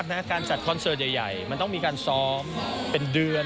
ที่ยากนะครับการจัดคอนเสิร์ตใหญ่มันต้องมีการซ้อมเป็นเดือน